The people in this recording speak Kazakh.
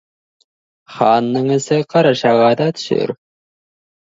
Ханның ісі қарашаға да түсер.